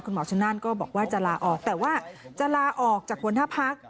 คุณหมอชนานก็บอกว่าจะลาออกแต่ว่าจะลาออกจากคนภาพภักดิ์